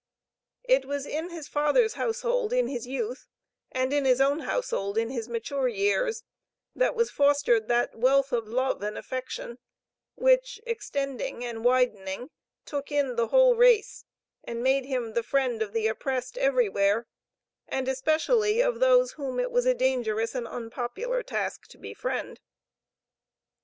It was in his father's household in his youth and in his own household in his mature years, that was fostered that wealth of love and affection, which, extending and widening, took in the whole race, and made him the friend of the oppressed everywhere, and especially of those whom it was a dangerous and unpopular task to befriend.